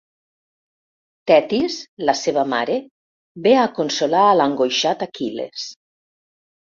Thetis, la seva mare, ve a consolar a l'angoixat Aquil·les.